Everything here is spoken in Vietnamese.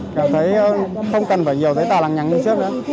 cảm thấy không cần phải nhiều giấy tàu lặng nhắn như trước nữa